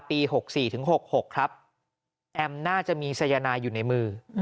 ปี๖๔๖๖ครับแอมน่าจะมีสัญญาณาอยู่ในมือ